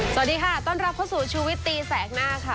สวัสดีค่ะต้อนรับเข้าสู่ชูวิตตีแสกหน้าค่ะ